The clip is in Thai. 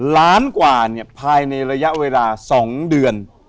ล้านกว่าเนี่ยภายในระยะเวลา๒เดือน